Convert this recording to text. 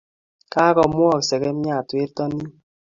Kagomwok segemnyat werto nin